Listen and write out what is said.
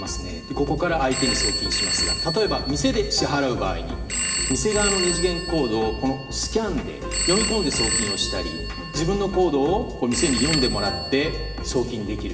ここから相手に送金しますが例えば店で支払う場合に店側の２次元バーコードをこのスキャンで読み込んで送金をしたり自分のコードを店に読んでもらって送金できる。